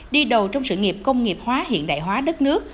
đi đầu trong sự nghiệp công nghiệp hóa hiện đại hóa đất nước